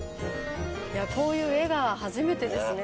こういう画が初めてですね。